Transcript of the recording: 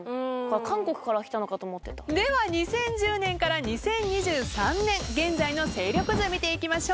では２０１０年から２０２３年現在の勢力図見ていきましょう。